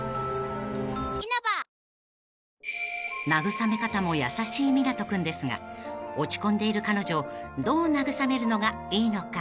［慰め方も優しい湊斗君ですが落ち込んでいる彼女をどう慰めるのがいいのか？］